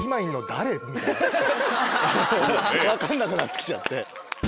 みたいな分かんなくなって来ちゃって。